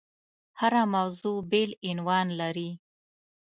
هره موضوع بېل عنوان لري.